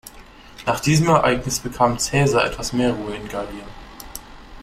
Nach diesem Ereignis bekam Caesar etwas mehr Ruhe in Gallien.